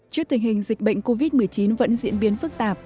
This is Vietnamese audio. trước tình hình dịch bệnh covid một mươi chín vẫn diễn biến phức tạp